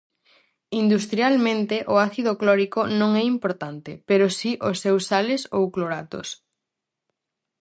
Industrialmente o ácido clórico non é importante, pero si os seus sales ou cloratos.